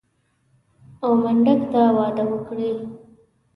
او منډک ته واده وکړي.